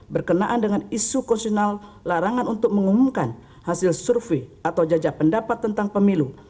berkenaan dengan isu konsional larangan untuk mengumumkan hasil survei atau jajak pendapat tentang pemilu